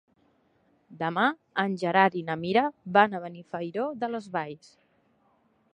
Demà en Gerard i na Mira van a Benifairó de les Valls.